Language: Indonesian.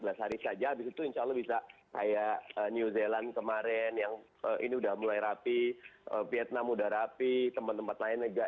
empat belas hari saja habis itu insya allah bisa kayak new zealand kemarin yang ini udah mulai rapi vietnam udah rapi tempat tempat lain negara